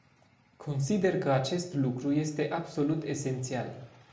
Consider că acest lucru este absolut esențial.